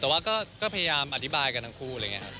แต้ว่าก็ก็พยายามอธิบายกันทั้งคู่